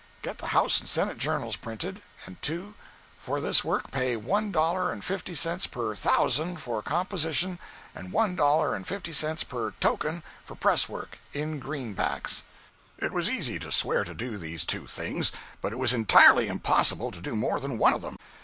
Get the House and Senate journals printed; and, 2. For this work, pay one dollar and fifty cents per "thousand" for composition, and one dollar and fifty cents per "token" for press work, in greenbacks. It was easy to swear to do these two things, but it was entirely impossible to do more than one of them.